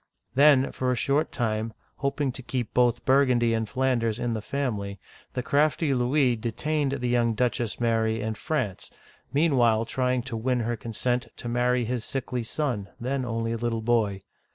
Then, for a short time, hoping to keep both Burgundy and Flanders in the family, the crafty Louis de tained the young Duchess Mary in France, meanwhile trying^ to win her consent to marry his sickly son, then only a little boy.